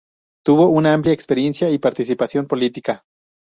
Tuvo una amplia experiencia y participación política.